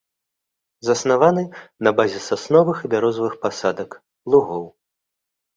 Заснаваны на базе сасновых і бярозавых пасадак, лугоў.